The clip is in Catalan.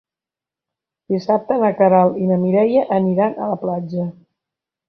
Dissabte na Queralt i na Mireia aniran a la platja.